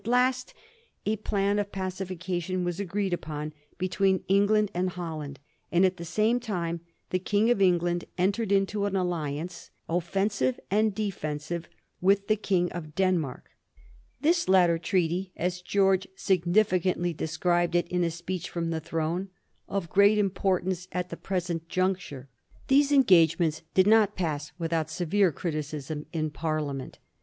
At last a plan of pacifi cation was agreed upon between England and Holland ; and at the same time the King of England entered into an alliance, offensive and defensive, with the King of Den mark, this latter treaty, as George significantly described it in the speech from the throne, "of great importance in 1735. '*BOKNIE FRINGE CHARLIE. 29 the present conjuncture." These engagements did not pass without severe criticism in Parliament.